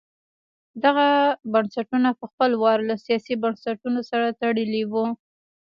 دغه بنسټونه په خپل وار له سیاسي بنسټونو سره تړلي وو.